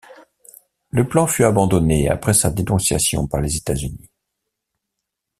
Le plan fut abandonné après sa dénonciation par les États-Unis.